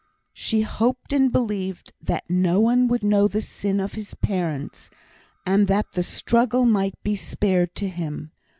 She hoped and believed that no one would know the sin of his parents, and that that struggle might be spared to him.